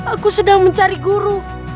aku sedang mencari guru